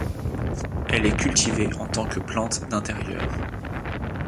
Elle est cultivée en tant que plante d'intérieur.